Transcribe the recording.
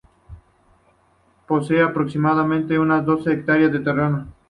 Posee aproximadamente unas doce hectáreas de terreno.